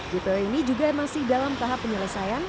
jpo ini juga masih dalam tahap penyelesaian